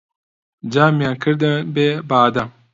جامیان کردن بێ بادە